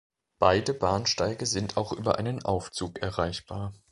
Beide Bahnsteige sind auch über einen Aufzug erreichbar.